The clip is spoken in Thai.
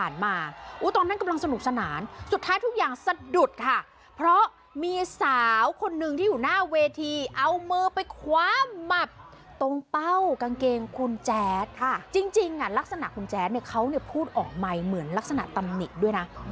จริงลักษณะคุณแจ๊ดเนี่ยเขาเนี่ยพูดออกใหม่เหมือนลักษณะตำหนิด้วยนะ